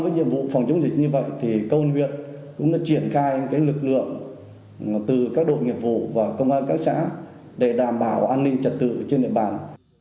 với nhiệm vụ phòng chống dịch như vậy thì công an huyện cũng đã triển khai lực lượng từ các đội nghiệp vụ và công an các xã để đảm bảo an ninh trật tự trên địa bàn